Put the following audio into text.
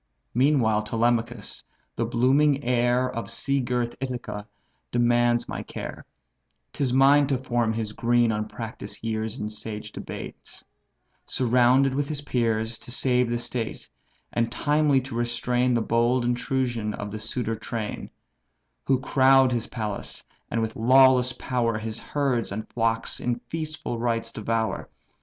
Meantime Telemachus, the blooming heir Of sea girt Ithaca, demands my care; 'Tis mine to form his green, unpractised years In sage debates; surrounded with his peers, To save the state, and timely to restrain The bold intrusion of the suitor train; Who crowd his palace, and with lawless power His herds and flocks in feastful rites devour.